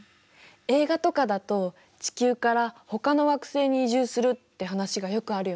映画とかだと地球からほかの惑星に移住するって話がよくあるよね。